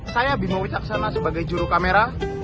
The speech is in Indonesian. saya bimau caksana sebagai juru kamera